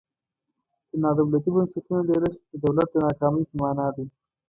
د نا دولتي بنسټونو ډیرښت د دولت د ناکامۍ په مانا دی.